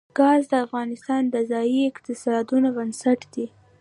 ګاز د افغانستان د ځایي اقتصادونو بنسټ دی.